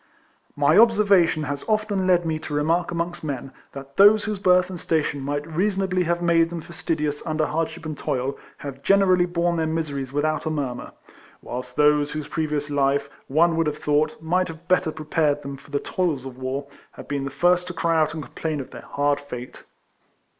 My observation has often led me to remark amongst men, that those whose birth and station might reasonably have made them fastidious under hardship and toil, have generally borne their miseries without a RIFLEMAN HARRIS. 61 murmur; — whilst those whose previous life, one would have thought, might have better prepared them for the toils of war, have been the first to cry out and complain of their hard fate.